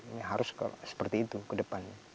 ini harus seperti itu ke depannya